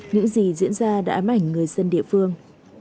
những gì diễn ra đã ám ảnh người dân địa phương